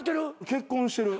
結婚してる。